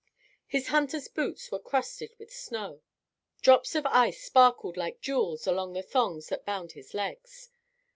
His hunter's boots were crusted with snow. Drops of ice sparkled like jewels along the thongs that bound his legs.